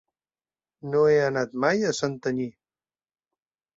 No he anat mai a Santanyí.